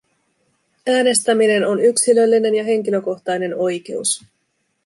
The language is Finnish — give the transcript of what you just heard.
Äänestämien on yksilöllinen ja henkilökohtainen oikeus.